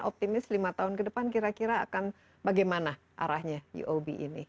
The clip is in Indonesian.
optimis lima tahun ke depan kira kira akan bagaimana arahnya uob ini